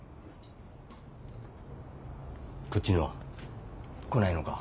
こっちには来ないのか？